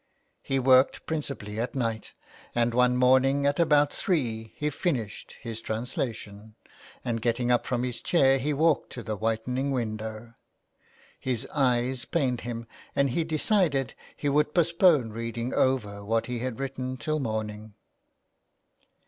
He worked principally at night, and one morning about three he finished his translation, and getting up from his chair he walked to the whitening window. His eyes pained him, and he decided he would postpone reading over what he had written till morning.